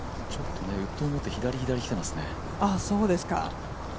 ウッドを持って、左、左にきてますね。